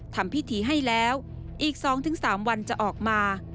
ทำพิธีให้แล้วอีก๒๓วันจะออกมา